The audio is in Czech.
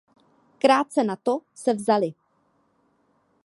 Krátce na to se vzali.